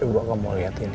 gue gak mau liat ini